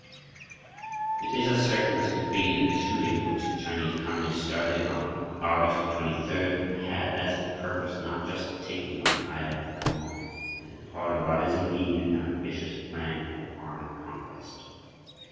It is as certain as can be that the shooting which the Chinese Communists started on August 23d had as its purpose not just the taking of the island of Quemoy. It is part of what is indeed an ambitious plan of armed conquest.